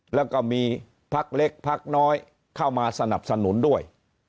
แล้วก็มีพักเล็กพักน้อยเข้ามาสนับสนุนด้วย